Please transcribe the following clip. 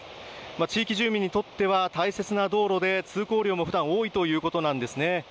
地域住民にとっては大切な道路で通行量も普段は多いということなんですね。